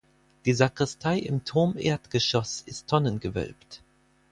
Die Sakristei im Turmerdgeschoß ist tonnengewölbt.